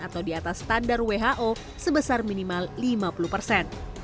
lebih atas standar who sebesar minimal lima puluh persen